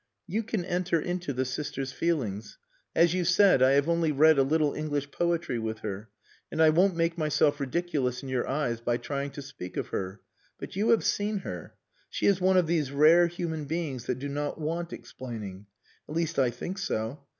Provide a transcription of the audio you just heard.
"You can enter into the sister's feelings. As you said, I have only read a little English poetry with her, and I won't make myself ridiculous in your eyes by trying to speak of her. But you have seen her. She is one of these rare human beings that do not want explaining. At least I think so.